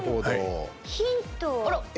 ヒントを。